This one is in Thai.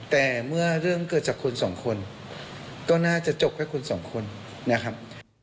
แต่เมื่อเรื่องเกิดจากคน๒คนก็น่าจะจบให้คน๒คนนะครับ